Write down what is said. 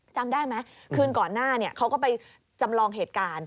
จำได้ไหมคืนก่อนหน้าเขาก็ไปจำลองเหตุการณ์